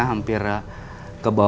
hmm bagus lah